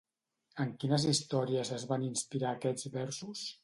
En quines històries es van inspirar aquests versos?